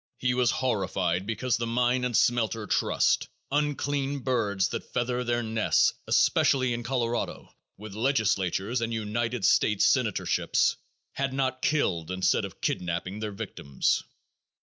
He was "horrified" because the Mine and Smelter Trust, unclean birds that feather their nests, especially in Colorado, with legislatures and United States senatorships, had not killed instead of kidnaping their victims.